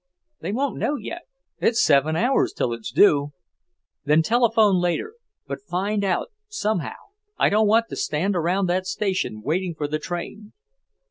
"They won't know yet. It's seven hours till it's due." "Then telephone later. But find out, somehow. I don't want to stand around that station, waiting for the train."